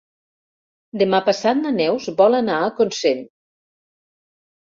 Demà passat na Neus vol anar a Consell.